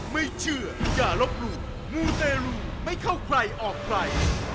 ไม่เชื่ออย่าลบหลู่มูเตรลูไม่เข้าใครออกใคร